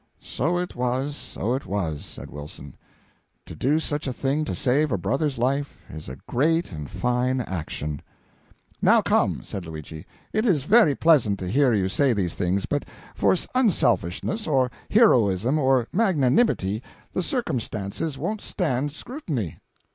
"So it was, so it was," said Wilson; "to do such a thing to save a brother's life is a great and fine action." "Now come," said Luigi, "it is very pleasant to hear you say these things, but for unselfishness, or heroism, or magnanimity, the circumstances won't stand scrutiny.